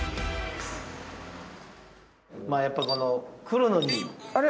やっぱこの来るのに。